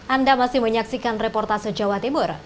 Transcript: anda masih menyaksikan reportase jawa timur